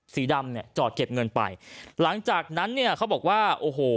สีดำเนี่ยจอดเก็บเงินไปหลังจากนั้นเนี่ยเขาบอกว่าโอ้โห